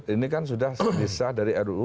ini kan sudah disah dari ruu